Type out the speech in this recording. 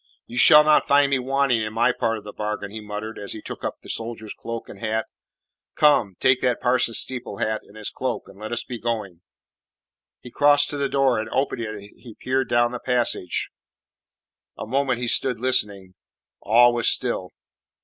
"You shall not find me wanting in my part of the bargain," he muttered, as he took up the soldier's cloak and hat. "Come, take that parson's steeple hat and his cloak, and let us be going." He crossed to the door, and opening it he peered down the passage. A moment he stood listening. All was still.